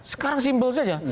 sekarang simpel saja